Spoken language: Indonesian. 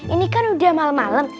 ini kan udah malem malem